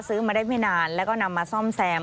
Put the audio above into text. ซื้อมาได้ไม่นานแล้วก็นำมาซ่อมแซม